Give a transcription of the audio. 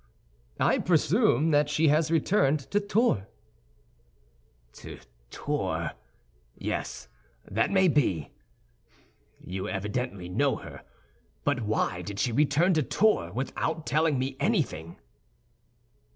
"I presume that she has returned to Tours." "To Tours? Yes, that may be. You evidently know her. But why did she return to Tours without telling me anything?"